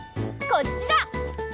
こっちだ！